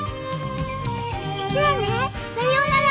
じゃあねさようなら。